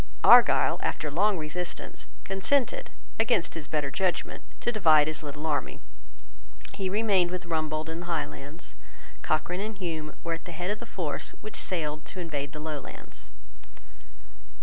Argyle, after long resistance, consented, against his better judgment, to divide his little army. He remained with Rumbold in the Highlands. Cochrane and Hume were at the head of the force which sailed to invade the Lowlands.